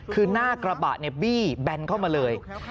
คือหน้ากระบะเนี่ยบี้แบนเข้ามาเลย